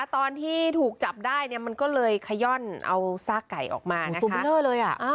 ตอนที่ถูกจับได้เนี่ยมันก็เลยขย่อนเอาซากไก่ออกมานะคะ